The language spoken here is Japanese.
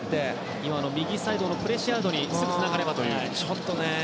右サイドのプレシアードにすぐつながればという。